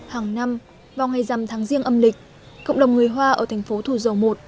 hàng năm vào ngày rằm tháng riêng âm lịch cộng đồng người hoa ở thành phố thù dầu một